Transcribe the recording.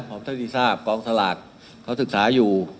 ผมทั้งสิทธิทราบของสลากเขาศึกษาอยู่